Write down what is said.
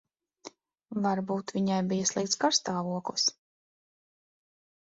Varbūt viņai bija slikts garastāvoklis.